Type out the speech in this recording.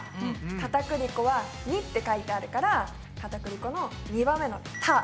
かたくり粉は②って書いてあるからかたくり粉の２番目の「た」。